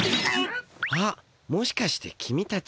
あもしかして君たち。